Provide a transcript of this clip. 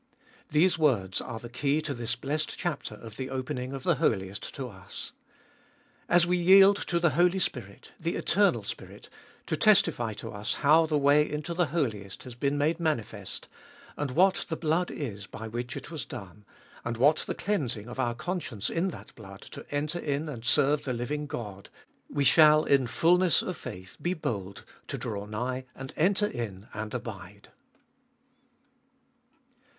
These words are the key to this blessed chapter of the opening of the Holiest to us. As we yield to the Holy Spirit, the Eternal Spirit, to testify to us how the way into the Holiest has been made manifest, and what the blood is by which it was done, and what the cleansing of our conscience in that blood to enter in and serve the living God, we shall in fulness of faith be bold to draw nigh and enter in and abide.